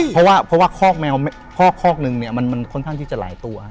เพราะว่าคอกแมวคอกคอกนึงเนี่ยมันค่อนข้างที่จะหลายตัว